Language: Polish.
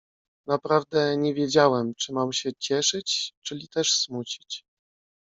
"Naprawdę, nie wiedziałem, czy mam się cieszyć, czyli też smucić."